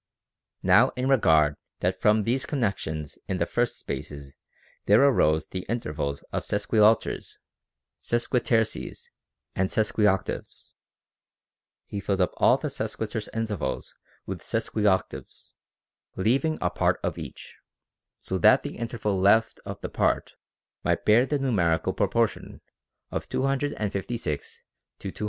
Now in regard that from these connections in the first spaces there arose the intervals of sesquialters, sesqui terces, and sesquioctaves, he filled up all the scsquiterce intervals with sesquioctaves, leaving a part of each, so that the interval left of the part might bear the numeri cal proportion of 256 to 243."